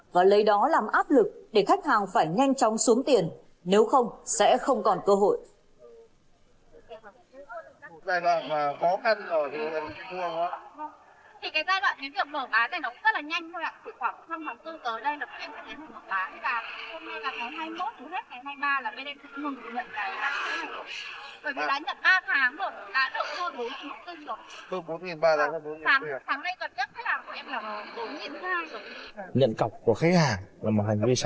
và lấy đó làm áp lực để khách hàng phải nhanh chóng xuống tiền nếu không sẽ không còn cơ hội